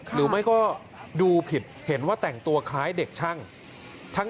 หรือไม่ก็ดูผิดเห็นว่าแต่งตัวคล้ายเด็กช่าง